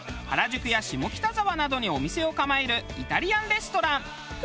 原宿や下北沢などにお店を構えるイタリアンレストラン。